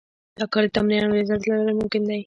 دا کار د تمرین او ریاضت له لارې ممکن دی